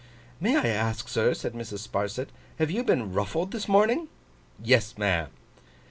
'May I ask, sir,' said Mrs. Sparsit, 'have you been ruffled this morning?' 'Yes, ma'am.